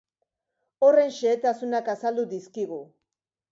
Horren xehetasunak azaldu dizkigu.